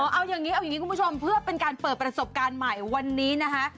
เอาอย่างนี้เอาอย่างนี้คุณผู้ชมเพื่อเป็นการเปิดประสบการณ์ใหม่วันนี้นะคะ